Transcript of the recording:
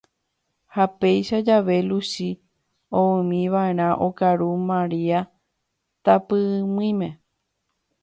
ha péichajave Luchi oúmiva'erã okaru Maria tapỹimime.